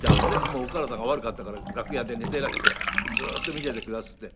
もうお体が悪かったから楽屋で寝てらしてずっと見ててくだすって。